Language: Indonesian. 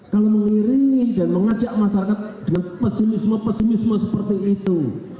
kalau mengiringi dan mengajak masyarakat dengan pesimisme pesimisme seperti itu